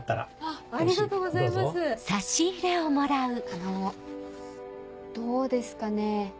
あのどうですかね。